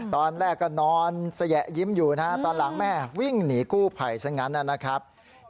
ตอนแรกก็นอนสยะยิ้มอยู่นะฮะตอนหลังแม่วิ่งหนีกู้ภัยซะงั้นนะครับ